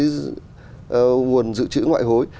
cái nguồn dự trữ ngoại hối